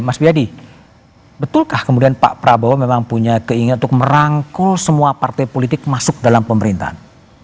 mas biadi betulkah kemudian pak prabowo memang punya keinginan untuk merangkul semua partai politik masuk dalam pemerintahan